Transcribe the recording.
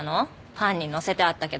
パンにのせてあったけど。